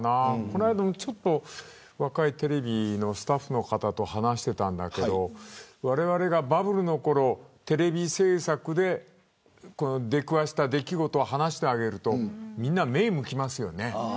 この間も若いテレビのスタッフの方と話していたんだけどわれわれがバブルのころテレビ制作で出くわした出来事を話してあげるとみんな目をむきますよね。